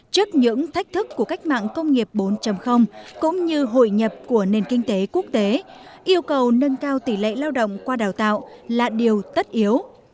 trước những thách thức của cách mạng công nghiệp bốn cũng như hội nhập của nền kinh tế quốc tế yêu cầu nâng cao tỷ lệ lao động qua đào tạo là điều tất yếu